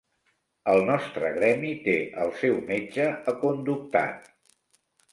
El nostre gremi té el seu metge aconductat.